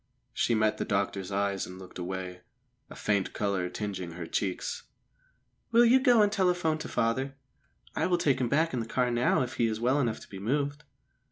She met the doctor's eyes and looked away, a faint colour tingeing her cheeks. "Will you go and telephone to father? I will take him back in the car now if he is well enough to be moved."